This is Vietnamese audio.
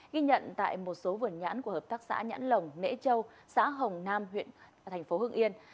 ghi nhận tại một số vườn nhãn của hợp tác xã nhãn lồng nễ châu xã hồng nam huyện thành phố hưng yên